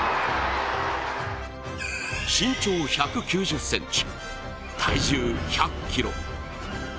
身長１９０ｃｍ、体重１００ｋｇ。